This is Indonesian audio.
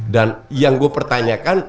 dan yang gue pertanyakan